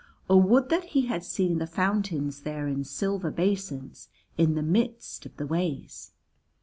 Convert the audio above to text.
Or would that he had seen the fountains there in silver basins in the midst of the ways.